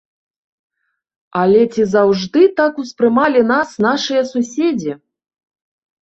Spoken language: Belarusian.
Але ці заўжды так успрымалі нас нашыя суседзі?